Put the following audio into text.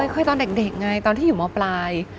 เคยตอนเด็กไงตอนที่อยู่มปลาย